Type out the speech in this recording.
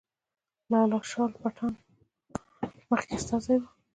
لال شاه پټان مخکې استازی وو.